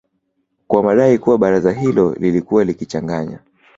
kwa madai kuwa baraza hilo lilikuwa likichanganya